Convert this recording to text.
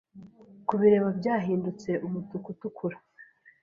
kubireba byahindutse umutuku utukura